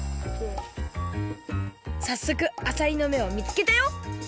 さっそくあさりの目を見つけたよ！